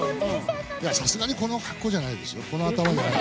さすがにこの格好と頭じゃないですよ。